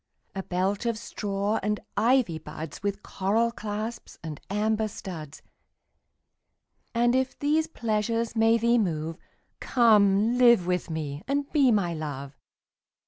A belt of straw and ivy buds With coral clasps and amber studs: And if these pleasures may thee move, Come live with me and be my Love.